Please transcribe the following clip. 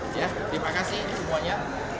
terima kasih semuanya